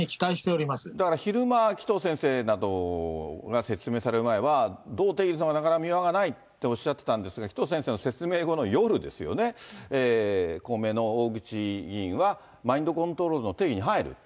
だから昼間、紀藤先生などが説明される前は、どう定義するか、なかなか妙案がないとおっしゃってたんですが、紀藤先生の説明後の夜ですよね、公明の大口議員は、マインドコントロールの定義に入る。